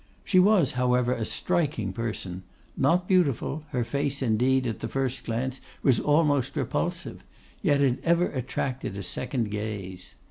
She was, however, a striking person; not beautiful, her face, indeed, at the first glance was almost repulsive, yet it ever attracted a second gaze.